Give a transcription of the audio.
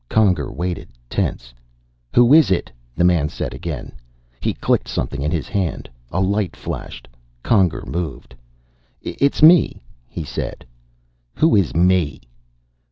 Conger waited, tense. "Who is it?" the man said again. He clicked something in his hand. A light flashed. Conger moved. "It's me," he said. "Who is 'me'?"